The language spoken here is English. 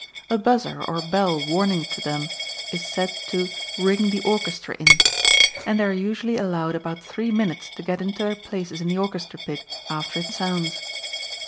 A buzzer or bell warning to them is said to "ring the orchestra in," and they are usually allowed about three minutes to get into their places in the orchestra pit after it sounds.